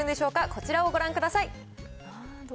こちらをご覧ください。